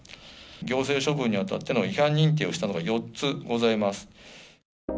行政処分にあたっての違反認定をしたのが４つございます。